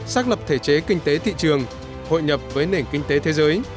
xác lập thể chế kinh tế thị trường hội nhập với nền kinh tế thế giới